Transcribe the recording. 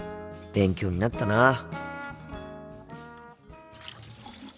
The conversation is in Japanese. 勉強になったな。